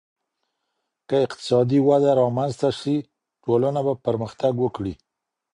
که اقتصادي وده رامنځته سي ټولنه به پرمختګ وکړي.